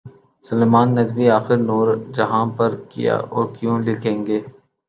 سلیمان ندوی آخر نورجہاں پر کیا اور کیوں لکھیں گے؟